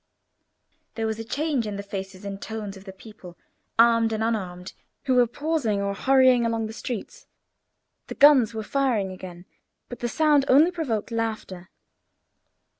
There was a change in the faces and tones of the people, armed and unarmed, who were pausing or hurrying along the streets. The guns were firing again, but the sound only provoked laughter.